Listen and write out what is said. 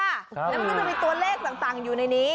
แล้วมันก็จะมีตัวเลขต่างอยู่ในนี้